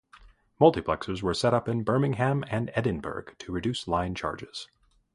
Multiplexers were set up in Birmingham and Edinburgh to reduce line charges.